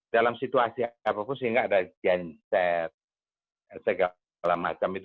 dalam situasi apapun sehingga tidak ada janset